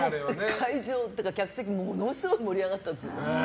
会場というか客席ものすごく盛り上がったんです。